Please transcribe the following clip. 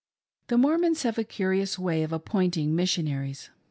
The Mormons have a curious way of appointing Missionaries.